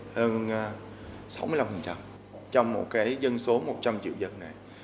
hơn sáu mươi năm trong một cái dân số một trăm linh triệu dân này